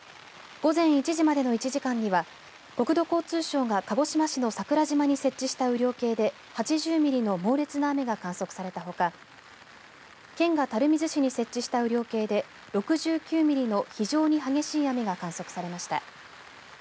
午前１時までの１時間には国土交通省が鹿児島市の桜島に設置した雨量計で８０ミリの猛烈な雨が観測されたほか県が垂水市に設置した雨量計で６９ミリの非常に激しい雨が観測されました。